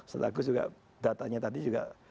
setelah aku juga datanya tadi juga